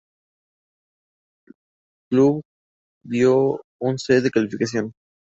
Club dio un C-de calificación.